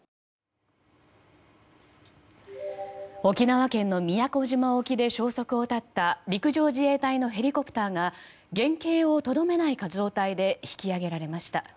沖縄県の宮古島沖で消息を絶った陸上自衛隊のヘリコプターが原形をとどめない状態で引き揚げられました。